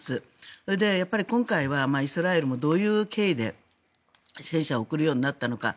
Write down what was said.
それで、今回はイスラエルもどういう経緯で戦車を送るようになったのか。